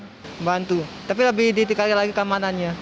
membantu tapi lebih ditikai lagi keamanannya